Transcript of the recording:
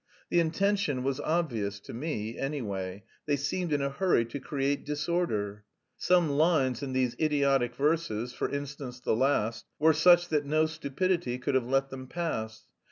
The intention was obvious, to me, anyway; they seemed in a hurry to create disorder. Some lines in these idiotic verses, for instance the last, were such that no stupidity could have let them pass.